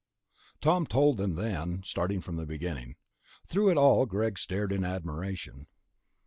Tom told them, then, starting from the beginning. Through it all Greg stared in admiration.